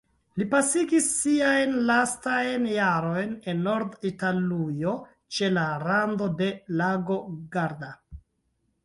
Li pasigis siajn lastajn jarojn en Nord-Italujo ĉe la rando de lago Garda.